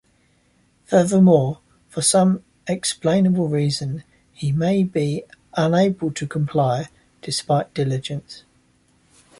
Furthermore, for some explainable reason, he may be unable to comply, despite diligence.